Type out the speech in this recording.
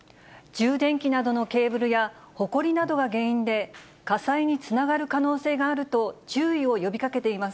充電器などのケーブルや、ほこりなどが原因で、火災につながる可能性があると注意を呼びかけています。